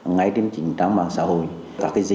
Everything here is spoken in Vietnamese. ngay trên trình trang mạng xã hội